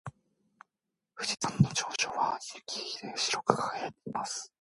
富士山の頂上は雪で白く輝いています。